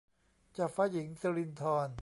เจ้าฟ้าหญิงสิรินธร